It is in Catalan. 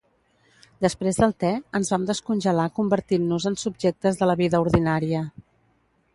Després del te, ens vam descongelar convertint-nos en subjectes de la vida ordinària.